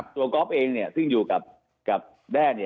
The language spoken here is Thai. ก๊อฟเองซึ่งอยู่กับแด้